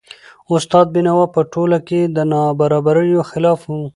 استاد بینوا په ټولنه کي د نابرابریو خلاف و .